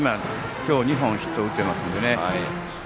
今日２本ヒットを打ってますのでね。